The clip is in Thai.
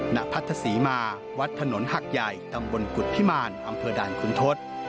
ณพัทธศรีมาวัดถนนหักใหญ่ตำบลกุฎพิมารอำเภอด่านคุณทศ